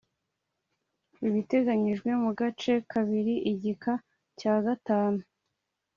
Ibiteganyijwe mu gace kabiri igika cya gatanu